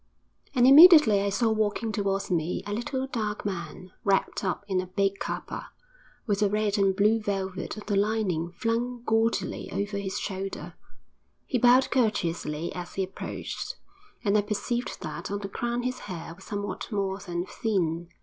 And immediately I saw walking towards me a little, dark man, wrapped up in a big capa, with the red and blue velvet of the lining flung gaudily over his shoulder. He bowed courteously as he approached, and I perceived that on the crown his hair was somewhat more than thin.